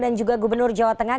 dan juga gubernur jawa tengah